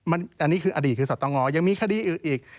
อันนี้คืออดีตคือสตงยังมีคดีอื่นอีก